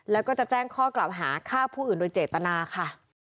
แล้วก็จะแจ้งข้อกล่าวหาฆ่าผู้อื่นโดยเจตนาค่ะ